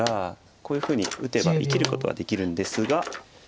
こういうふうに打てば生きることはできるんですが。